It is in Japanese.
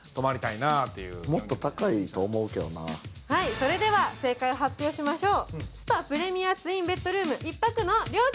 それでは正解を発表しましょう。